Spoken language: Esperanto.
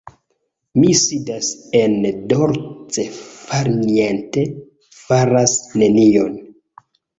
Mi sidas en dolce farniente, faras nenion.